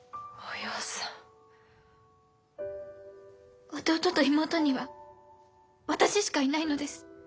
弟と妹には私しかいないのです。